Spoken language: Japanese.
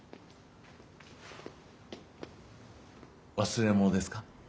忘れ物ですか？